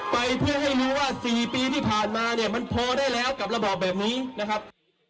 ไปเพื่อให้รู้ว่า๔ปีที่ผ่านมาเนี่ยมันพอได้แล้วกับระบอบแบบนี้นะครับ